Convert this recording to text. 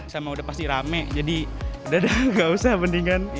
sama udah pasti rame jadi dadah nggak usah mendingan